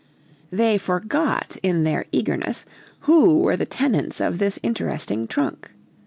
They forgot, in their eagerness, who were the tenants of this interesting trunk.